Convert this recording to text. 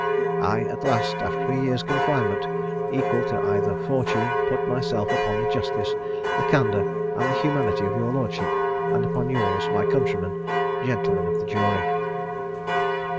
I, at last, after a year's confinement, equal to either fortune, put myself upon the justice, the candour, and the humanity of your lordship; and upon yours, my countrymen, gentlemen of the jury."